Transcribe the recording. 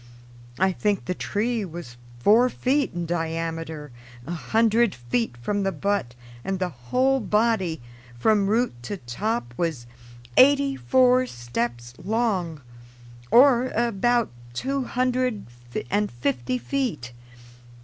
I think the tree was four feet in diameter a hundred feet from the butt, and the whole body, from root to top, was eighty four steps long, or about two hundred and fifty feet.